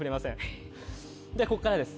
ではここからです。